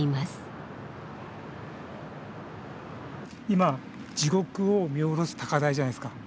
今地獄を見下ろす高台じゃないですか。